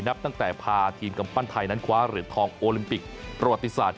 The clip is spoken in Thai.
นับตั้งแต่พาทีมกำปั้นไทยนั้นคว้าเหรียญทองโอลิมปิกประวัติศาสตร์